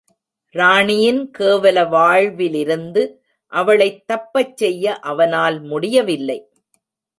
ராணியின் கேவல வாழ்விலிருந்து அவளைத் தப்பச்செய்ய அவனால் முடியவில்லை!